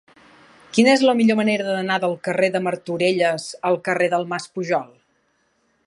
Quina és la millor manera d'anar del carrer de Martorelles al carrer del Mas Pujol?